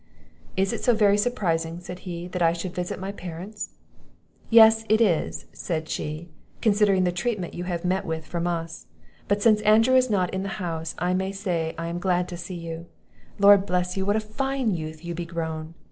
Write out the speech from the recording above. "Is it so very surprising," said he, "that I should visit my parents?" "Yes, it is," said she, "considering the treatment you have met with from us; but since Andrew is not in the house, I may say I am glad to see you; Lord bless you, what a fine youth you be grown!